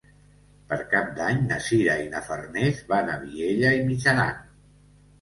Per Cap d'Any na Sira i na Farners van a Vielha e Mijaran.